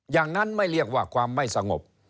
อย่างนั้นไม่เรียกว่าความไม่สงบ